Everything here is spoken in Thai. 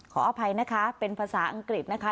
ขออภัยนะคะเป็นภาษาอังกฤษนะคะ